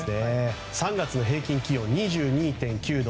３月の平均気温２２．９度。